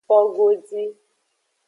Fogodi.